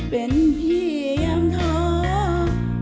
เป็นพี่ยามทอด